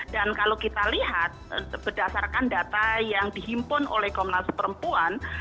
dan kalau kita lihat berdasarkan data yang dihimpun oleh komnas perempuan